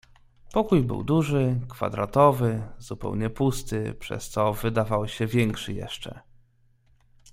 "Pokój był duży, kwadratowy, zupełnie pusty, przez co wydawał się większy jeszcze."